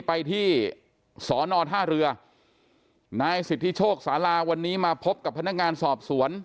ไปที่สอนอท่าเรือนายสิทธิโชคสาราวันนี้มาพบกับพนักงานสอบสวน